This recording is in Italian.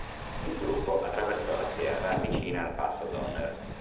Il gruppo attraversò la Sierra vicina al Passo Donner.